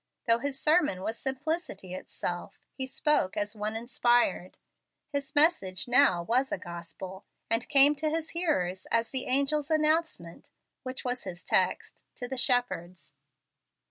Though his sermon was simplicity itself he spoke as one inspired. His message now was a gospel, and came to his hearers as the angel's announcement (which was his text) to the shepherds.